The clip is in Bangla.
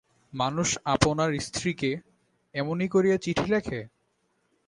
মানুষ আপনার স্ত্রীকে এমনি করিয়া চিঠি লেখে!